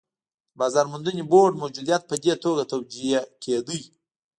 د بازار موندنې بورډ موجودیت په دې توګه توجیه کېده.